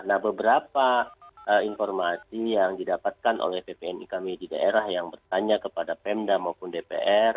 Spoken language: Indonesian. nah beberapa informasi yang didapatkan oleh ppni kami di daerah yang bertanya kepada pemda maupun dpr